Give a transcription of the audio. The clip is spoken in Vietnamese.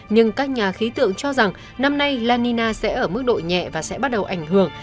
nhưng các nhà khí tượng cho rằng năm nay la nina sẽ ở mức độ nhẹ và sẽ bắt đầu ảnh hưởng